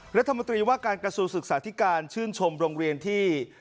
รัฐมนตรีว่าการกระทรวงศึกษาธิการชื่นชมโรงเรียนที่